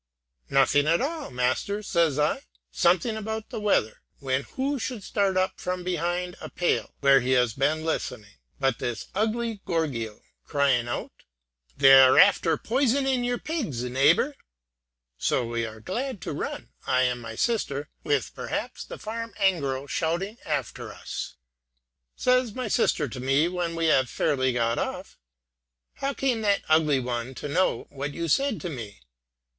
'Nothing at all, master,' says I; 'something about the weather,' when who should start up from behind a pale, where he has been listening, but this ugly gorgio, crying out, 'They are after poisoning your pigs, neighbor,' so that we are glad to run, I and my sister, with perhaps the farm engro shouting after us. Says my sister to me, when we have got fairly off, 'How came that ugly one to know what you said to me?'